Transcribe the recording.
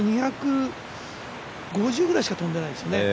２５０ぐらいしか飛んでないですよね